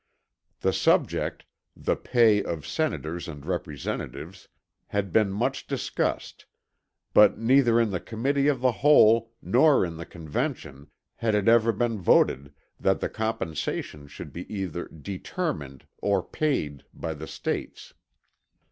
The subject, the pay of Senators and Representatives, had been much discussed; but neither in the Committee of the Whole nor in the Convention had it ever been voted that the compensation should be either "determined" or "paid" by the States.